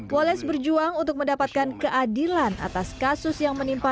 wallace berjuang untuk mendapatkan keadilan atas kasus yang menyebabkan